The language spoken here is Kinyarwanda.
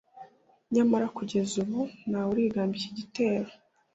nyamara kugeza ubu ntawe urigamba iki gitero